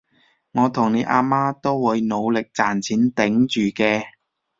我同你阿媽都會努力賺錢頂住嘅